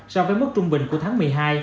so với mức trung bình của tháng một mươi hai